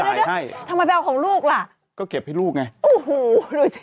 ใช่ทำไมไปเอาของลูกล่ะก็เก็บให้ลูกไงโอ้โหดูสิ